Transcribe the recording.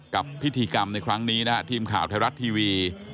กับพิธีกรรมในครั้งนี้นะครับทีมข่าวไทยรัฐทีวี